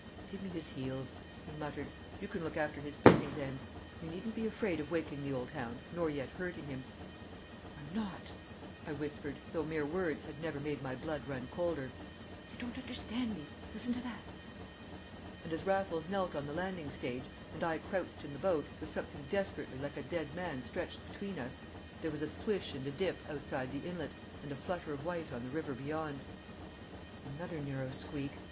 "Give me his heels," he muttered; "you can look after his business end. You needn't be afraid of waking the old hound, nor yet hurting him." "I'm not," I whispered, though mere words had never made my blood run colder. "You don't understand me. Listen to that!" And as Raffles knelt on the landing stage, and I crouched in the boat, with something desperately like a dead man stretched between us, there was a swish and a dip outside the inlet, and a flutter of white on the river beyond. "Another narrow squeak!"